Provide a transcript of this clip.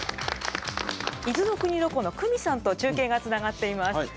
伊豆の国ロコの九美さんと中継がつながっています。